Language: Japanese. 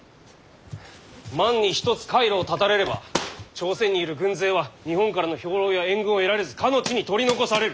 万に一つ海路を断たれれば朝鮮にいる軍勢は日本からの兵糧や援軍を得られずかの地に取り残される。